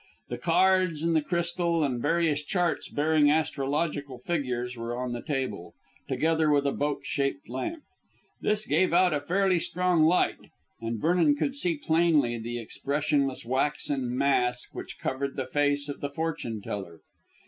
The cards and the crystal and various charts bearing astrological figures were on the table, together with a boat shaped lamp. This gave out a fairly strong light, and Vernon could see plainly the expressionless waxen mask which covered the face of the fortune teller.